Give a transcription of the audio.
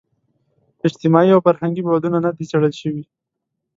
اجتماعي او فرهنګي بعدونه نه دي څېړل شوي.